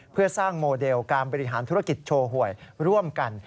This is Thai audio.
เพื่อสร้างโมเดลการบริหารธุรกิจโชว์หวยร่วมกัน